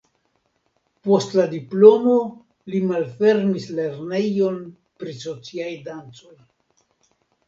Post la diplomo li malfermis lernejon pri sociaj dancoj.